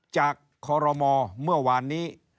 จากขอรมอเมื่อวานนี้